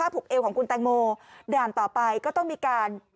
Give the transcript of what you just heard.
ผูกเอวของคุณแตงโมด่านต่อไปก็ต้องมีการ